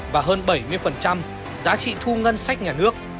và hơn bảy mươi giá trị thu ngân sách nhà nước